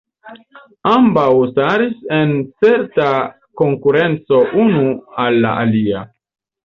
Ambaŭ staris en certa konkurenco unu al la alia.